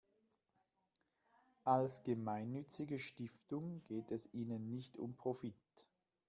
Als gemeinnützige Stiftung geht es ihnen nicht um Profit.